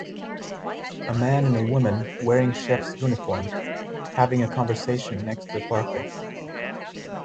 A man and a woman wearing chef 's uniforms having a conversation next to a park bench.